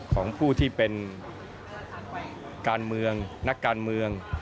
ของผู้ที่เป็นการเมืองนักการเมือง